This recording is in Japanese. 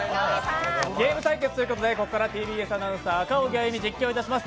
ゲーム対決ということで、ここからＴＢＳアナウンサー・赤荻歩実況いたします。